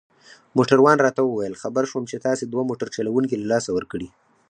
موټروان راته وویل: خبر شوم چي تاسي دوه موټر چلوونکي له لاسه ورکړي.